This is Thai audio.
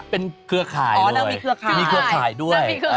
อ๋อแล้วมีเครือข่ายด้วยมีสไตล์แล้วมีเครือข่ายด้วย